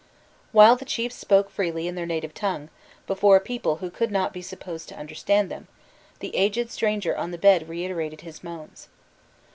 While the chiefs spoke freely in their native tongue, before a people who could not be supposed to understand them, the aged stranger on the bed reiterated his moans.